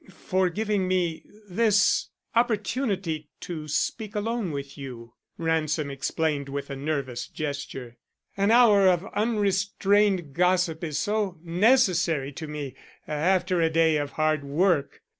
"For giving me this opportunity to speak alone with you," Ransom explained with a nervous gesture. "An hour of unrestrained gossip is so necessary to me after a day of hard work.